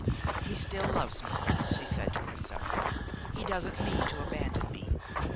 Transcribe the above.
"He still loves me," she said to herself, "he doesn't mean to abandon me.